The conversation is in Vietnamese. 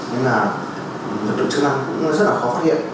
nên là lực lượng chức năng cũng rất là khó phát hiện